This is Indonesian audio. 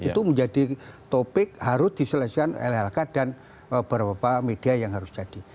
itu menjadi topik harus diselesaikan lhk dan beberapa media yang harus jadi